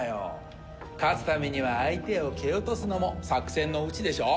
勝つためには相手を蹴落とすのも作戦のうちでしょ。